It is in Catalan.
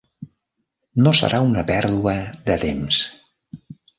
No serà una pèrdua de temps.